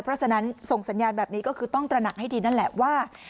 เพราะฉะนั้นส่งสัญญาณแบบนี้ก็คือต้องตระหนักให้ดีนั่นแหละว่า